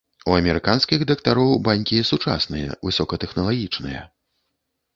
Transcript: У амерыканскіх дактароў банькі сучасныя, высокатэхналагічныя.